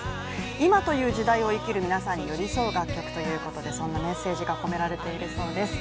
今という時代を生きる皆さんに寄り添う楽曲ということでそんなメッセージが込められているそうです。